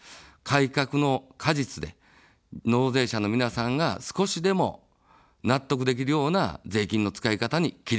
改革の果実で、納税者の皆さんが少しでも納得できるような税金の使い方に切り替えていく。